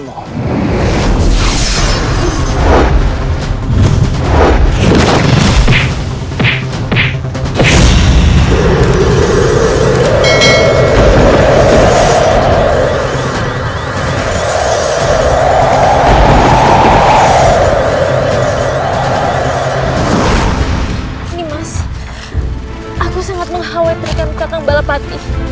nimas aku sangat mengkhawatirkan kakak balapati